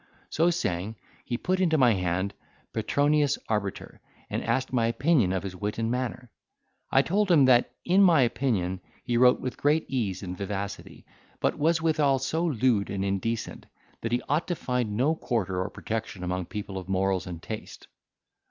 So saying, he put into my hand Petronius Arbiter, and asked my opinion of his wit and manner. I told him, that, in my opinion, he wrote with great ease and vivacity, but was withal so lewd and indecent that he ought to find no quarter or protection among people of morals and taste.